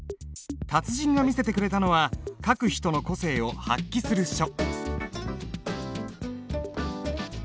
達人が見せてくれたのは書く人の個性を発揮する書。